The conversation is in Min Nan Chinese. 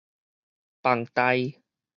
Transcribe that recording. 房貸